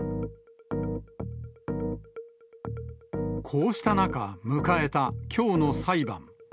こうした中、迎えたきょうの裁判。